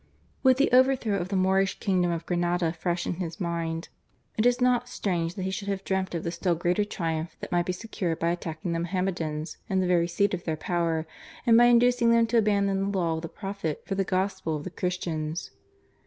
With the overthrow of the Moorish kingdom of Granada fresh in his mind, it is not strange that he should have dreamt of the still greater triumph that might be secured by attacking the Mahomedans in the very seat of their power, and by inducing them to abandon the law of the Prophet for the Gospel of the Christians.